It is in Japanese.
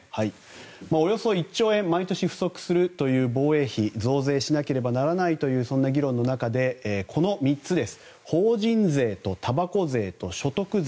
およそ１兆円毎年不足するという防衛費増税しなければならないというそんな議論の中で法人税とたばこ税と所得税